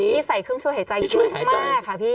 นี่ใส่ขึ้นช่วยหายใจจู๊บมากค่ะพี่